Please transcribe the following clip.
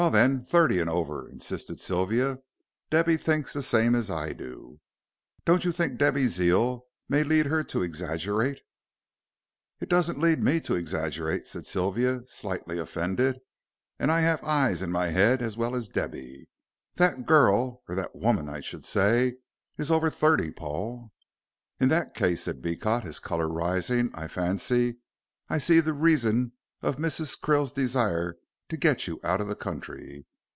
"Well, then, thirty and over," insisted Sylvia. "Debby thinks the same as I do." "Don't you think Debby's zeal may lead her to exaggerate?" "It doesn't lead me to exaggerate," said Sylvia, slightly offended; "and I have eyes in my head as well as Debby. That girl, or that woman, I should say, is over thirty, Paul." "In that case," said Beecot, his color rising, "I fancy I see the reason of Mrs. Krill's desire to get you out of the country.